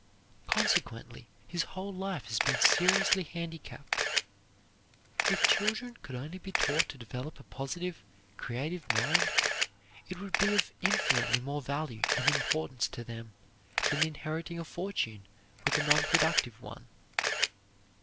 Consequently his whole life has been seriously handicapped. If children could only be taught to develop a positive, creative mind, it would be of infinitely more value and importance to them than inheriting a fortune with a non productive one.